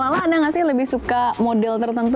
kalau mbak lala ada nggak sih lebih suka model tertentu